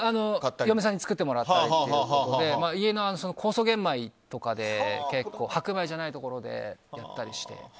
嫁さんに作ってもらったりとかで家の酵素玄米とか白米じゃないところでやったりして。